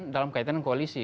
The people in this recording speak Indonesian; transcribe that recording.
dalam kaitan koalisi